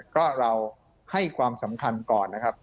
ก็เราให้ความสำคัญก่อนนะครับ